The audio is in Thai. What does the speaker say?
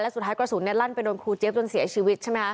สุดท้ายกระสุนลั่นไปโดนครูเจี๊ยบจนเสียชีวิตใช่ไหมคะ